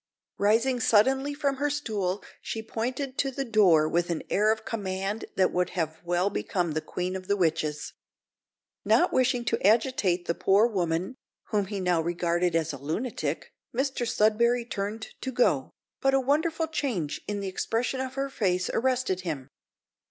Rising suddenly from her stool, she pointed to the door with an air of command that would have well become the queen of the witches. Not wishing to agitate the poor woman, whom he now regarded as a lunatic, Mr Sudberry turned to go, but a wonderful change in the expression of her face arrested him.